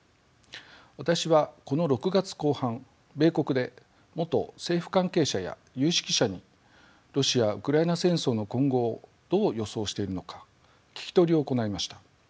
私はこの６月後半米国で元政府関係者や有識者にロシア・ウクライナ戦争の今後をどう予想しているのか聞き取りを行いました。